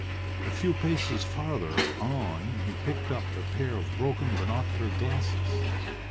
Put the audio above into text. A few paces farther on he picked up a pair of broken binocular glasses.